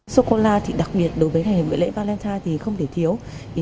sô cô la thì đặc biệt đối với ngày lễ valentine thì không thể thiếu